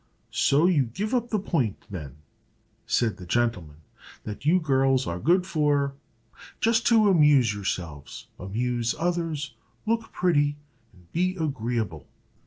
"So you give up the point, then," said the gentleman, "that you girls are good for just to amuse yourselves, amuse others, look pretty, and be agreeable."